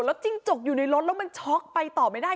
จิ้งจกอยู่ในรถแล้วมันช็อกไปต่อไม่ได้